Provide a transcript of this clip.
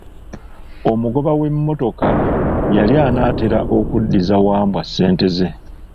Omugoba w'emmotoka yali anaatera okuddiza Wambwa ssente ze.